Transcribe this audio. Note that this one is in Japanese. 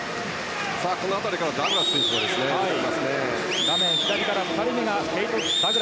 この辺りからダグラス選手が行っていますね。